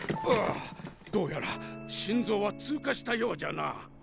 ああどうやら心臓は通過したようじゃな。